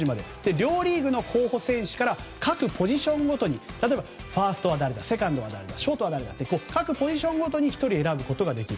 両リーグの候補選手から各ポジションごとにファーストは誰セカンドは誰と各ポジションごとに１人選ぶことができる。